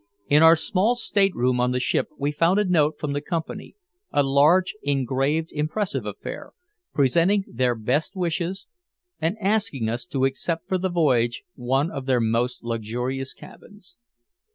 In our small stateroom on the ship we found a note from the company, a large, engraved impressive affair, presenting their best wishes and asking us to accept for the voyage one of their most luxurious cabins.